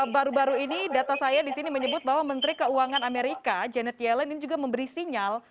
baru baru ini data saya disini menyebut bahwa menteri keuangan amerika janet yellen ini juga memberi sinyal